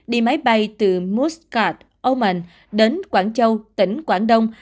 đi máy bay từ moskart oman đến quảng châu tỉnh quảng đông